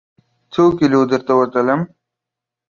څوکیلو درته وتلم؟